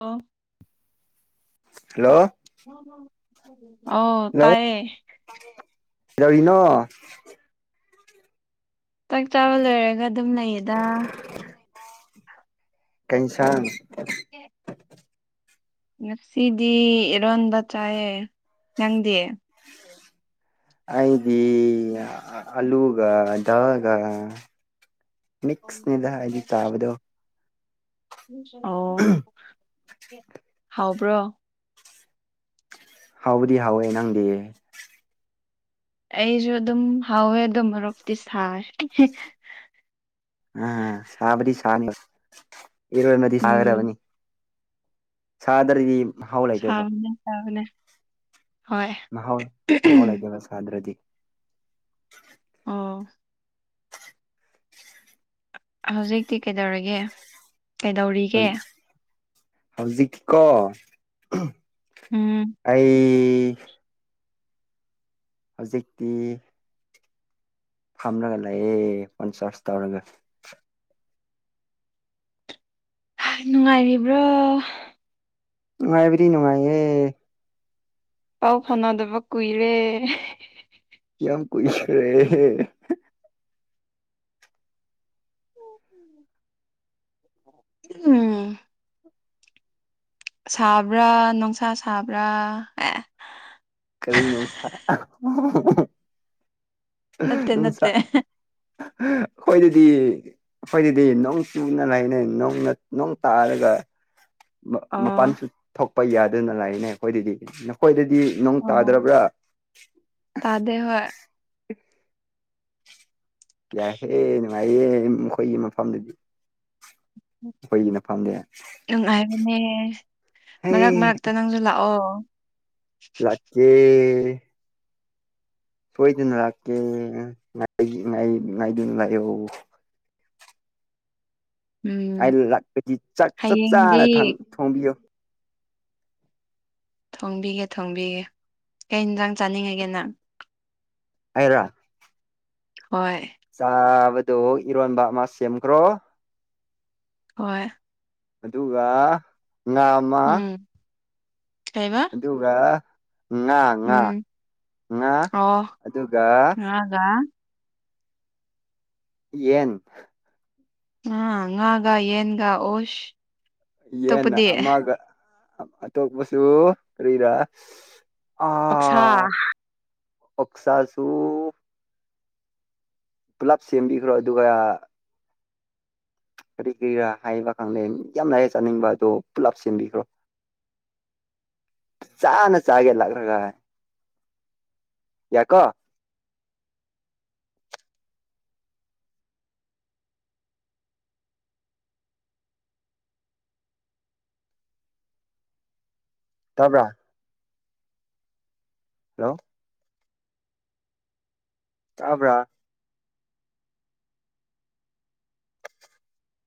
ꯑꯥ hello ꯑꯣ ꯇꯌꯦ [unintelligible] ꯌꯥꯎꯔꯤꯅ ꯆꯥꯛ ꯆꯥꯕ ꯂꯣꯏꯔꯒ ꯑꯗꯨꯝ ꯂꯩꯌꯦꯗ ꯀꯩꯏꯟꯁꯥꯡ ꯑ‌ꯦ ꯉꯁꯤꯗꯤ ꯏꯔꯣꯟꯕ ꯆꯥꯏꯌꯦ ꯅꯪꯗꯦ ꯑꯩꯗꯤ ꯑꯂꯨꯒ ꯗꯒ ꯃꯤꯛꯁꯅꯤꯗ ꯍꯥꯏꯗꯤ ꯆꯥꯕꯗꯣ ꯑꯣ ꯍꯥꯎꯕ꯭ꯔꯣ ꯍꯥꯎꯕꯗꯤ ꯍꯥꯎꯋꯦ ꯅꯪꯗꯤ ꯑꯩꯁꯨ ꯑꯗꯨꯝ ꯍꯥꯎꯋꯦ ꯑꯗꯨꯗ ꯃꯔꯣꯛꯇꯤ ꯁꯥꯏꯔ ꯑ ꯁꯕꯗꯤ ꯁꯅꯤ ꯏꯔ‌ꯣꯟꯕꯗꯤ ꯎꯝ ꯁꯥꯒꯗꯕꯅꯤ ꯁꯥꯗꯔꯤꯝ ꯁꯥꯎꯅꯦ ꯆꯥꯎꯅꯦ ꯃꯍꯥꯎ ꯃꯍꯍꯥꯎ ꯂꯩꯥꯏ ꯇꯅꯁꯗ꯭ꯔꯗꯤ ꯑ ꯍꯧꯖꯤꯛꯇꯤ ꯀꯩꯗꯧꯔꯒꯦ ꯍꯧ ꯍꯧꯖꯤꯛ ꯀ‌ꯣ ꯎꯝ ꯑꯩ ꯍꯧꯖꯤꯛꯇꯤ ꯐꯝꯂꯒ ꯂꯥꯛꯑꯦ ꯄꯟꯆꯥꯁ ꯇꯧꯔꯒ ꯅꯨꯡꯉꯥꯏꯔꯤꯕ꯭ꯔꯣ ꯅꯨꯡꯉꯥꯏꯕꯔꯤ ꯅꯨꯡꯉꯥꯏꯌꯦ ꯄꯥꯎ ꯐꯧꯅꯗꯕ ꯀꯨꯏꯔꯦ ꯌꯥꯝ ꯀꯨꯏꯈꯔꯦ ꯎꯝ ꯁꯥꯕ꯭ꯔꯥ ꯅꯨꯡꯁꯥ ꯁꯥꯕ꯭ꯔꯥ ꯑꯦ ꯀꯔꯤ ꯅꯨꯡꯁꯥ ꯀ ꯅꯠꯇꯦ ꯅꯨꯡꯁꯥ ꯅꯠꯇꯦ ꯑꯩꯈ‌‌ꯧꯏꯗꯗꯤ ꯑꯩꯈꯣꯏꯗꯗꯤ ꯅꯣꯡ ꯆꯨꯅ ꯂꯩꯅ ꯅꯅ ꯅꯣꯡ ꯇꯥꯔꯒ ꯑꯣ ꯃꯄꯥꯟꯁꯨ ꯊꯣꯛꯄ ꯌꯥꯗꯅ ꯂꯥꯛꯏꯅꯦ ꯑꯩꯈꯣꯏꯗꯗꯤ ꯅꯈꯣꯏꯗꯗꯤ ꯑꯣ ꯇꯥꯗ꯭ꯔꯕ ꯇꯥꯗꯦ ꯍꯣꯏ ꯉꯥꯏꯌꯦ ꯃꯈꯣꯏꯒꯤ ꯃꯐꯝꯗꯨꯗꯤ ꯑꯩꯈꯣꯏꯒꯤꯅ ꯐꯝꯗꯦ ꯅꯨꯡꯉꯥꯏꯔꯅꯦ ꯃꯔꯛ ꯍꯩ ꯃꯔꯛꯇ ꯅꯪꯁꯨ ꯂꯥꯛꯑꯣ ꯂꯀꯦ ꯁꯣꯏꯗꯅ ꯂꯥꯛꯀꯦꯗꯨ ꯂꯩ ꯑ ꯎꯝ ꯂꯥꯛꯄꯗꯤ ꯆꯥꯛ ꯆꯞ ꯍꯌꯦꯡꯗꯤ ꯆꯥꯅ ꯊꯣꯡꯕꯤꯌꯣ ꯊꯣꯡꯕꯤꯒꯦ ꯊꯣꯡꯕꯤꯒꯦ ꯀꯩꯅꯨꯡꯗꯥꯡ ꯆꯥꯅꯤꯡꯉꯒꯦ ꯅꯪ ꯍꯥꯏꯔꯥ ꯍꯣꯏ ꯆꯥꯕꯗ ꯏꯔꯣꯟꯕ ꯑꯃ ꯁꯦꯝꯈ꯭ꯔꯣ ꯍꯣꯏ ꯑꯗꯨꯒ ꯉꯥ ꯑꯃ ꯀꯥꯏꯕ ꯑꯗꯨꯒ ꯉꯥ ꯉꯥ ꯉꯥ ꯑꯗꯨꯒ ꯍꯥꯏꯒ ꯌꯦꯟ ꯑ ꯉꯒ ꯌꯦꯟꯒ ꯑꯣꯁ ꯌꯦꯟꯅ ꯑꯇꯣꯞꯄꯗꯤ ꯑꯒ ꯑꯇꯣꯞꯄꯁꯨ ꯀꯔꯤꯗ ꯑꯣꯛꯁꯥ ꯑꯣꯛꯁꯁꯨ ꯄꯨꯂꯞ ꯁꯦꯝꯕꯤꯈ꯭ꯔꯣ ꯑꯗꯨꯒ ꯀꯔꯤ ꯀꯔꯤꯔꯥ ꯍꯥꯏꯕ ꯈꯪꯗꯦ ꯌꯥꯝ ꯂꯥꯏꯔꯦ ꯆꯥꯅꯤꯡꯕ ꯑꯗꯣ ꯄꯨꯂꯞ ꯁꯦꯝꯦꯟꯕꯤꯈ꯭ꯔꯣ ꯆꯥꯅꯦ ꯆꯥꯒꯦ ꯂꯥꯛꯒ꯭ꯔꯒ ꯌꯥꯀꯣ ꯇꯥꯕ꯭ꯔ ꯍꯜꯂꯣ ꯇꯕ꯭ꯔꯥ